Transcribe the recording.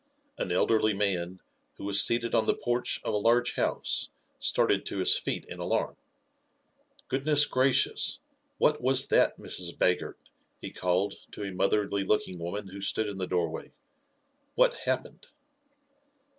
An elderly man, who was seated on the porch of a large house, started to his feet in alarm. "Gracious goodness! What was that, Mrs. Baggert?" he called to a motherly looking woman who stood in the doorway. "What happened?"